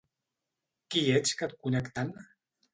Qui ets que et conec tant?